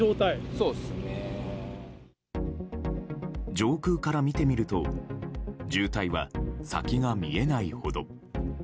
上空から見てみると渋滞は先が見えないほど。